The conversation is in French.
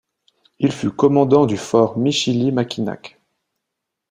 Il fut commandant du Fort Michilimackinac.